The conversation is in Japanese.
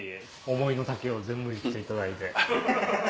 思いの丈を全部言っていただいて。